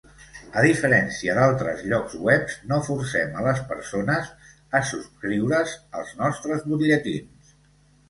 A diferència d"altres llocs webs, no forcem a les persones a subscriure"s als nostres butlletins.